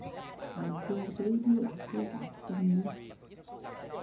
Hắn cù tui đi Las Vegas tuần ni